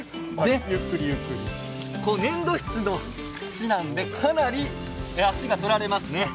粘土質の土なんでかなり足が取られますね。